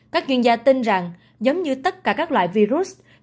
các chuyên gia tin rằng giống như tất cả các loại virus